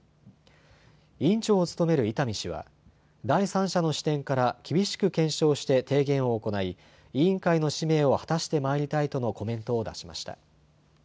委員長を務める伊丹氏は第三者の視点から厳しく検証して提言を行い委員会の使命を果たしてまいりたいとのコメントを出しました。